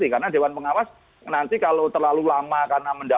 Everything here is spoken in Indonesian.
firly pun mengakui kesalahannya